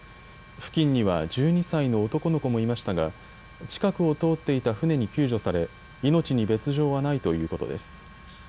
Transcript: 付近には１２歳の男の子もいましたが近くを通っていた船に救助され命に別状はないということです。